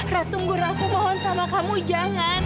ratunggur aku mohon sama kamu jangan